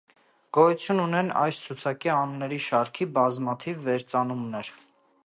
Գոյություն ունեն այս ցուցակների անունների շարքի բազմաթիվ վերծանումներ։